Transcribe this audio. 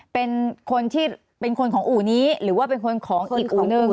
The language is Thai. เป็นคนที่เป็นคนของอู่นี้หรือว่าเป็นคนของอีกอู่หนึ่ง